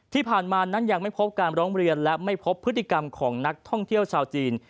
ที่ผ่านมานั้นยังไม่พบการร้องเรียนและไม่พบพฤติกรรมของนักท่องเที่ยวชาวจีน